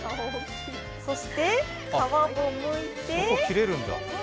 そして、皮もむいて。